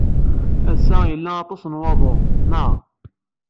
Ass-a, yella aṭas n waḍu, naɣ?